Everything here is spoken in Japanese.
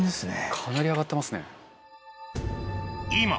かなり上がってますね。